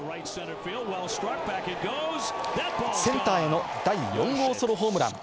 センターへの第４号ソロホームラン。